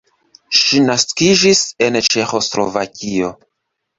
Ŝi naskiĝis en Ĉeĥoslovakio.